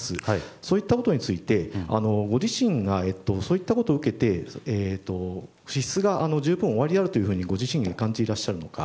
そういったことについてそういったことを受けて資質が十分におありであるとご自身で感じていらっしゃるのか。